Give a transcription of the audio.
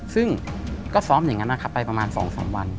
ซึ่งก็ซ้อมอย่างนั้นไปประมาณ๒วัน